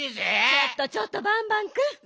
ちょっとちょっとバンバンくん。